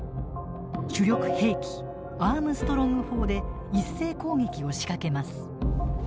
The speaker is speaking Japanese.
主力兵器アームストロング砲で一斉攻撃を仕掛けます。